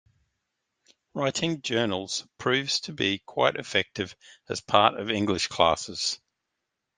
Writing journals proves to be quite effective as part of English classes.